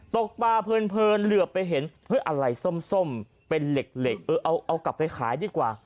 ตกปลาเพลินเหลือไปเห็นเพื่ออะไรส้มเป็นเหล็กเออเอากลับไปขายดีกว่า